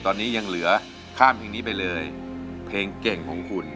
ตอนนี้ยังเหลือข้ามเพลงนี้ไปเลยเพลงเก่งของคุณ